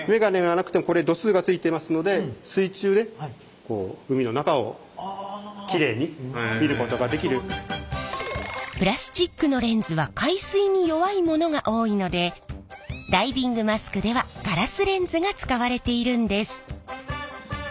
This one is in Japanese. ですから水中でプラスチックのレンズは海水に弱いものが多いのでダイビングマスクではガラスレンズが使われているんです。